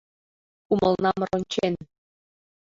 Кумылнам рончен